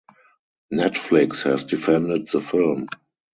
Netflix has defended the film.